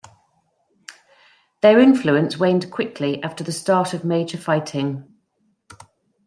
Their influence waned quickly after the start of major fighting.